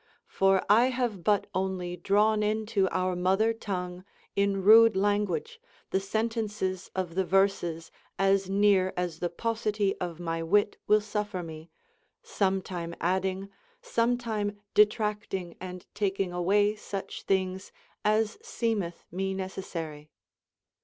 For I have but only drawn into our mother tongue in rude language the sentences of the verses as near as the paucity of my wit will suffer me, sometime adding, sometime detracting and taking away such things as seemeth me necessary."